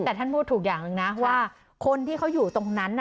แต่ท่านพูดถูกอย่างหนึ่งนะว่าคนที่เขาอยู่ตรงนั้นน่ะ